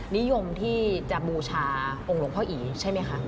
นิยมที่จะบูชาองค์หลวงพ่ออีใช่ไหมคะ